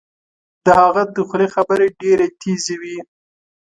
د هغه د خولې خبرې ډیرې تېزې وې